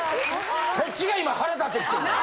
こっちが今腹立ってきて。